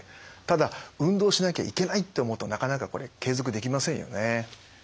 ただ運動しなきゃいけないって思うとなかなかこれ継続できませんよね。